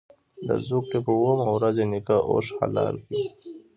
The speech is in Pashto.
د زوکړ ې په اوومه ورځ یې نیکه اوښ حلال کړ.